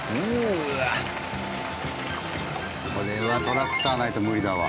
これはトラクターないと無理だわ。